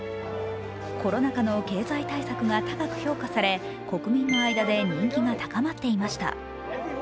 コロナ禍の経済対策が高く評価され、国民の間で人気が高まっていました。